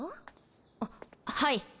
あっはい。